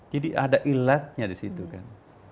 jadi ada illat nya di situ kan